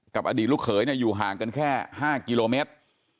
อดีตลูกเขยอยู่ห่างกันแค่๕กิโลเมตร